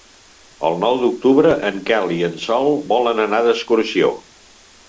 El nou d'octubre en Quel i en Sol volen anar d'excursió.